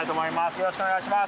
よろしくお願いします。